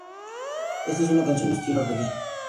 Es una canción de estilo reggae.